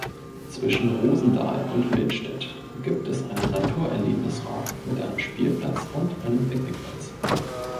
Zwischen Rosendahl und Mildstedt gibt es einen Natur-Erlebnis-Raum mit einem Spielplatz und einem Picknickplatz.